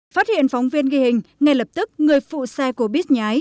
phát hiện phóng viên ghi hình ngay lập tức người phụ xe của bít nhái